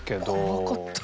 怖かった。